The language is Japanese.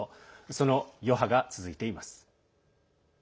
その余波が続いています。